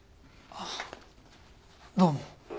あっどうも。